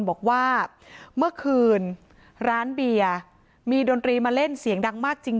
จนใดเจ้าของร้านเบียร์ยิงใส่หลายนัดเลยค่ะ